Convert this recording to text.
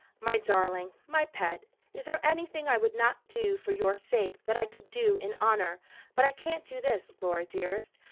"My darling, my pet, is there anything I would not do for your sake that I could do in honour? But I can't do this, Laura dearest.